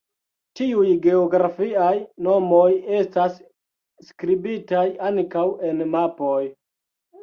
Tiuj geografiaj nomoj estas skribitaj ankaŭ en mapoj.